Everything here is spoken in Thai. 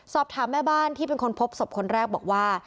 สอบถามแม่บ้านที่เป็นคนพบศพคนแรกบอกว่า